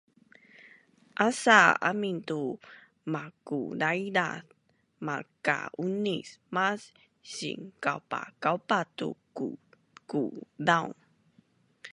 Asa amin tu makudaidaz malka-uni mas sikaupakaupa tu kuzkuzaun